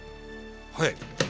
はい。